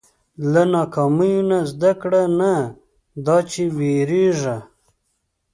• له ناکامیو نه زده کړه، نه دا چې وېرېږه.